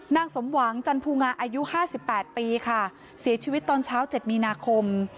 นางสมหวังจันทร์ภูงาอายุห้าสิบแปดปีค่ะเสียชีวิตตอนเช้าเจ็ดมีนาคม